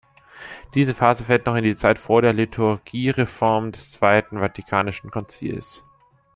Diese Phase fällt noch in die Zeit vor der Liturgiereform des Zweiten Vatikanischen Konzils.